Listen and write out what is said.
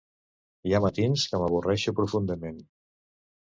Hi ha matins que m'avorreixo profundament.